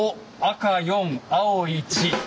赤４青１。